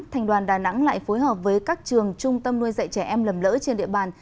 thành đoàn đà nẵng lại phối hợp với các trường trung tâm nuôi dạy trẻ em lầm lỡ trên địa bàn